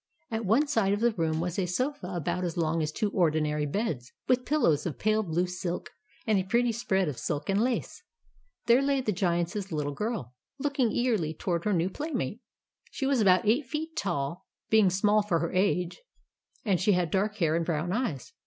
At one side of the room was a sofa about as long as two ordinary beds, with pillows of pale blue silk, and a pretty spread of silk and lace. There lay the Giants little girl, looking eagerly toward her new playmate. She was about eight feet tall, being small for her age, and she had dark hair and brown eyes.